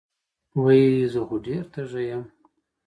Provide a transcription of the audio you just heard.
وې زۀ خو ډېر تږے يم